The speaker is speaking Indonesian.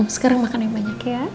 sekarang makan yang banyak ya